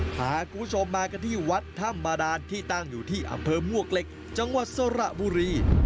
พาคุณผู้ชมมากันที่วัดถ้ำบาดานที่ตั้งอยู่ที่อำเภอมวกเหล็กจังหวัดสระบุรี